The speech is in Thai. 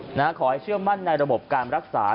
ขอให้เชื่อมั่นในระบบการรักษา